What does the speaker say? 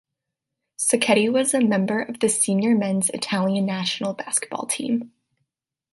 Sacchetti was a member of the senior men's Italian national basketball team.